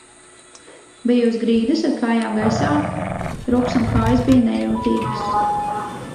Biju uz grīdas ar kājām gaisā. Rokas un kājas bija nejūtīgas.